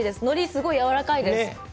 のり、すごいやわらかいです。